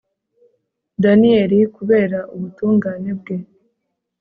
daniyeli, kubera ubutungane bwe